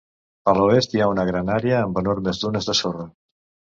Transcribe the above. A l'oest hi ha una gran àrea amb enormes dunes de sorra.